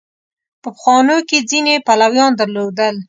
په پخوانو کې ځینې پلویان درلودل.